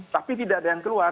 tapi tidak ada yang keluar